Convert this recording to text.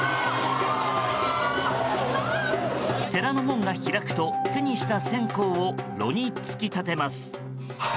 寺の門が開くと手にした線香を炉に突き立てます。